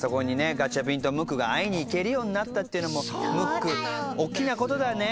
ガチャピンとムックが会いに行けるようになったっていうのもムックおっきなことだね。